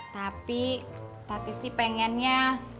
tapi tadi sih pengennya